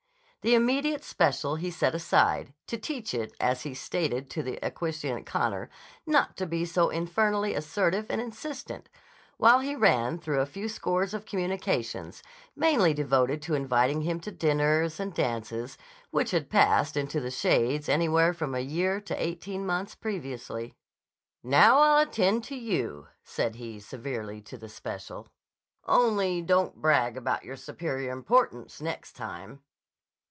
The "immediate" special he set aside, to teach it, as he stated to the acquiescent Connor, not to be so infernally assertive and insistent, while he ran through a few scores of communications, mainly devoted to inviting him to dinners and dances which had passed into the shades anywhere from a year to eighteen months previously. "Now, I'll attend to you," said he severely to the special. "Only, don't brag about your superior importance, next time."